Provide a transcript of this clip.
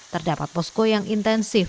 terdapat posko yang intensif